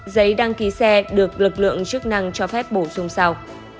giấy đăng ký xe được lực lượng chức năng cho phép bổ sung sau